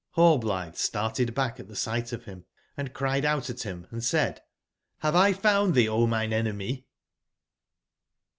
Rallblithe startedbackatthe sight of him, andcriedoutathim, andsaid:'' Rave I found thee, O mine enemy?"